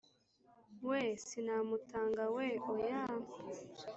weee! Sinamutangaa we! Oya”!